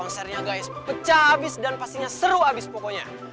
sampai jumpa di authentic